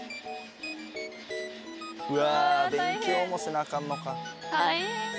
うわ勉強もせなアカンのか。